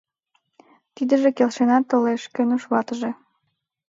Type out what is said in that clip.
— Тидыже келшенат толеш, — кӧныш ватыже.